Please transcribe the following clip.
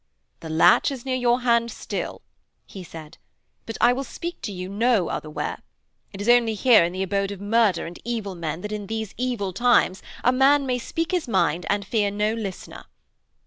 'The latch is near your hand still,' he said. 'But I will speak to you no other where. It is only here in the abode of murder and evil men that in these evil times a man may speak his mind and fear no listener.'